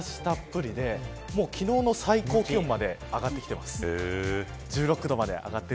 昨日と打って変わって日差したっぷりで昨日の最高気温まで上がってきています。